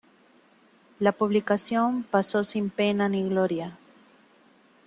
La publicación pasó sin pena ni gloria.